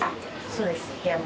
そうです。